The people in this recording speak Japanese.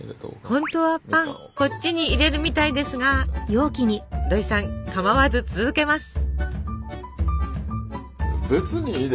本当はパンこっちに入れるみたいですが土井さんかまわず続けます。